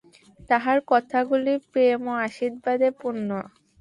তাঁহার কথাগুলি প্রেম ও আশীর্বাদে পূর্ণ।